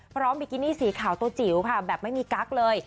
บิกินี่สีขาวตัวจิ๋วค่ะแบบไม่มีกั๊กเลย